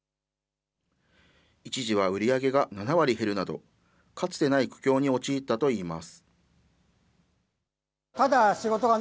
一時は売り上げが７割減るなど、かつてない苦境に陥ったといいます。